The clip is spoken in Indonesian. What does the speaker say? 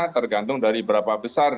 tergantung dari berapa besar